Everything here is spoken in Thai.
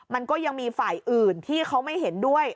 มันก็ยังมีฝ่ายอื่นที่เขาไม่เห็นด้วย